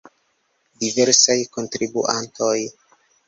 Diversaj kontribuantoj.